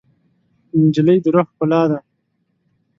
نجلۍ د روح ښکلا ده.